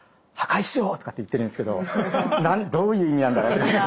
破壊しよう」とかって言ってるんですけどどういう意味なんだろうって。